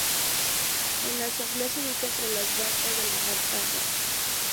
En la Asamblea se ubica entre las bancas de la Montaña.